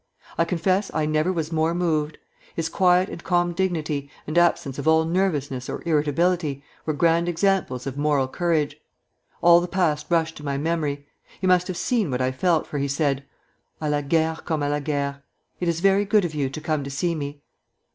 I confess I never was more moved. His quiet and calm dignity, and absence of all nervousness or irritability, were grand examples of moral courage. All the past rushed to my memory. He must have seen what I felt, for he said: 'À la guerre comme à la guerre. It is very good of you to come to see me.'